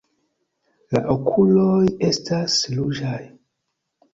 La okuloj estas ruĝaj.